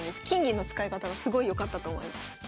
金銀の使い方がすごいよかったと思います。